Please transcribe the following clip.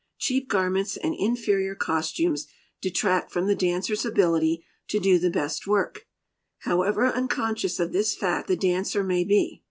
Cheap garments and inferior costumes detract from the dancer's ability to do the best work, however unconscious of this fact the dancer may be.